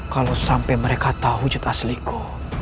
kalau sampai mereka tahu wujud asliku